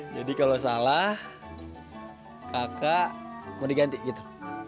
jadi kalau salah kakak mau diganti gitu